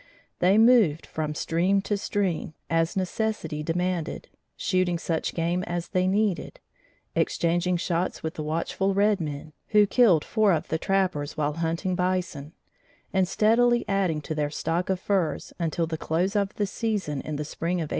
They moved from stream to stream, as necessity demanded, shooting such game as they needed, exchanging shots with the watchful red men, who killed four of the trappers while hunting bison, and steadily adding to their stock of furs until the close of the season in the spring of 1831.